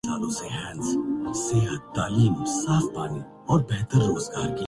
جیسے ایک طرف دھوپ تو ایک طرف چھاؤں ہے کہیں وصل تو دوسرے لمحےفراق